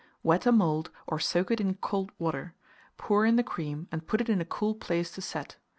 Wet a mould, or soak it in cold water; pour in the cream, and put it in a cool place to set.